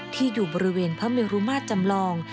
ที่อยู่บริเวณพระเมรุมาตรจำลอง